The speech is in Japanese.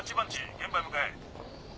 現場へ向かえ。